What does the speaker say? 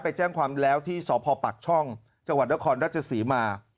ไปแจ้งความแล้วที่สพปักช่องจังหวัดนครราชศรีมา